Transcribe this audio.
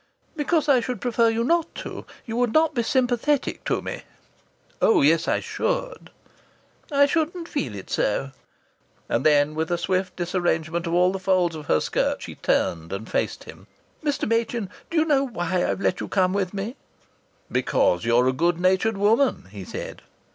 "Because I should prefer you not to. You would not be sympathetic to me." "Oh, yes, I should." "I shouldn't feel it so." And then, with a swift disarrangement of all the folds of her skirt, she turned and faced him. "Mr. Machin, do you know why I've let you come with me?" "Because you're a good natured woman," he said.